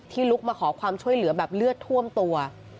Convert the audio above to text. ลุกมาขอความช่วยเหลือแบบเลือดท่วมตัว